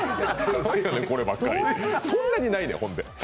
そんなにないねん、ほんで。